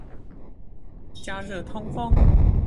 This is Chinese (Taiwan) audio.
加熱通風